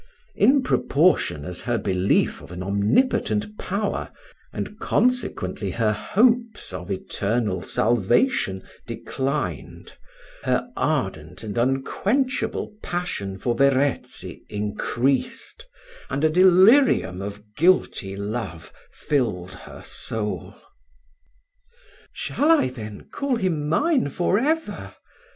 In proportion as her belief of an Omnipotent Power, and consequently her hopes of eternal salvation declined, her ardent and unquenchable passion for Verezzi increased, and a delirium of guilty love, filled her soul. "Shall I then call him mine for ever?"